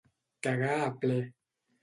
Quedar a pler.